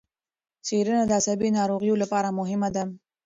څېړنه د عصبي ناروغیو لپاره مهمه ده.